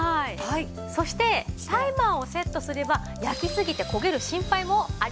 そしてタイマーをセットすれば焼きすぎて焦げる心配もありません。